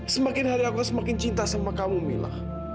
semakin hari aku semakin cinta sama kamu mila